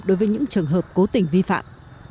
đối với những trường hợp cố tình vi phạm